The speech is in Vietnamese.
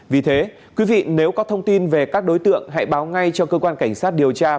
vì thế quý vị nếu có thông tin về các đối tượng hãy báo ngay cho cơ quan cảnh sát điều tra